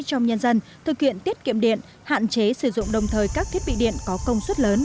trong nhân dân thực hiện tiết kiệm điện hạn chế sử dụng đồng thời các thiết bị điện có công suất lớn